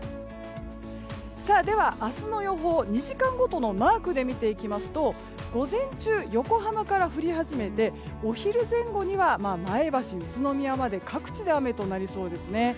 では明日の予報、２時間ごとのマークで見ていきますと午前中、横浜から降り始めてお昼前後には前橋、宇都宮まで各地で雨となりそうですね。